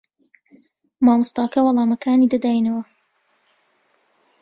مامۆستاکە وەڵامەکانی دەداینەوە.